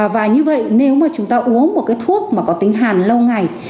và như vậy nếu mà chúng ta uống một cái thuốc mà có tính hàn lâu ngày